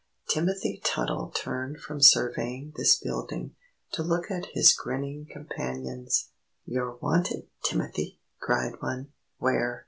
Timothy Tuttle turned from surveying this building, to look at his grinning companions. "You're wanted, Timothy!" cried one. "Where?"